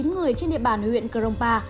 một mươi chín người trên địa bàn huyện crong pa